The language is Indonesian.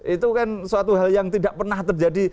itu kan suatu hal yang tidak pernah terjadi